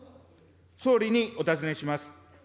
総理にお尋ねします。